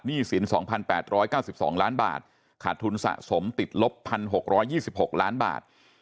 สิน๒๘๙๒ล้านบาทขาดทุนสะสมติดลบ๑๖๒๖ล้านบาท